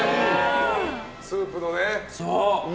スープのね。